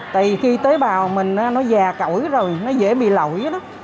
tại vì khi tế bào mình nó già cẩu rồi nó dễ bị lỗi đó